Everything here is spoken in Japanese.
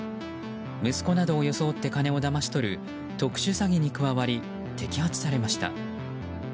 息子などを装って金をだまし取る特殊詐欺に加わり摘発されました。